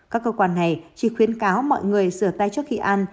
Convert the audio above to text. các cơ quan này chỉ khuyến cáo mọi người sửa tay trước khi ăn